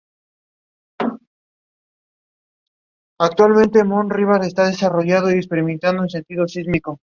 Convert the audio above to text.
Es la madre del actor Alejo Ortiz.